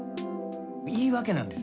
言い訳なんです。